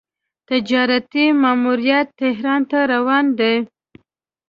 تجارتي ماموریت تهران ته روان دی.